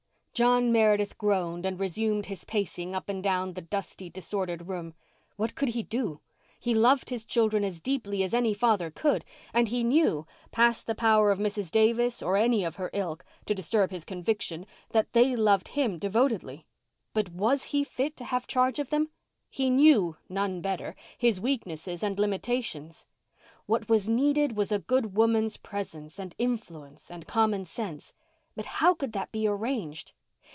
John Meredith groaned and resumed his pacing up and down the dusty, disordered room. What could he do? He loved his children as deeply as any father could and he knew, past the power of Mrs. Davis or any of her ilk, to disturb his conviction, that they loved him devotedly. But was he fit to have charge of them? He knew—none better—his weaknesses and limitations. What was needed was a good woman's presence and influence and common sense. But how could that be arranged?